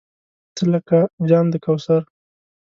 تۀ لکه جام د کوثر !